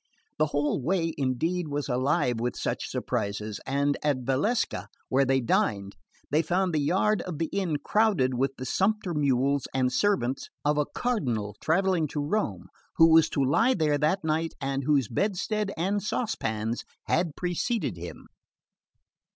The whole way, indeed, was alive with such surprises; and at Valsecca, where they dined, they found the yard of the inn crowded with the sumpter mules and servants of a cardinal travelling to Rome, who was to lie there that night and whose bedstead and saucepans had preceded him.